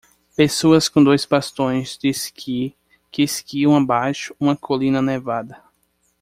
Pessoa com dois bastões de esqui que esquiam abaixo uma colina nevada